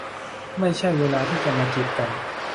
ไม่ใช่เวลาที่จะมาจีบกัน